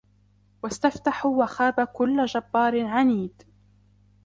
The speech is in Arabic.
واستفتحوا وخاب كل جبار عنيد